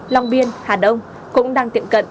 long biên hà đông cũng đang tiện cận